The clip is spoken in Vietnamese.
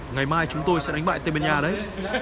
ngày mai chúng tôi sẽ đánh bại tây ban nha đấy